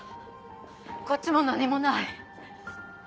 こっちも何もない。